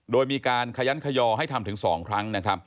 โดยมีการขยั้นขยอให้ทำถึง๒ครั้ง